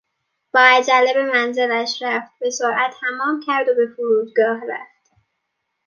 با عجله به منزلش رفت، به سرعت حمام کرد و به فرودگاه رفت.